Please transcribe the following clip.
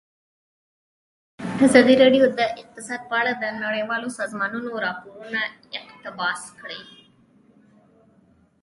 ازادي راډیو د اقتصاد په اړه د نړیوالو سازمانونو راپورونه اقتباس کړي.